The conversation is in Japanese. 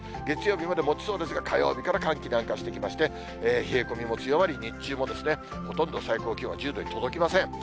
月曜日までもちそうですが、火曜日から寒気南下してきまして、冷え込みも強まり、日中もほとんど最高気温は１０度に届きません。